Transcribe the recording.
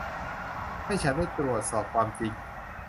ให้ฉันได้ตรวจสอบความจริง